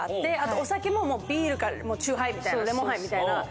お酒もビールか酎ハイみたいなレモンハイみたいな。